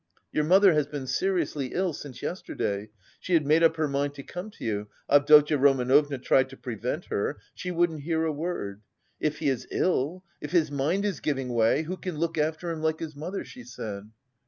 Your mother has been seriously ill since yesterday. She had made up her mind to come to you; Avdotya Romanovna tried to prevent her; she wouldn't hear a word. 'If he is ill, if his mind is giving way, who can look after him like his mother?' she said.